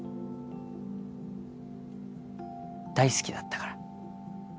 大好きだったから。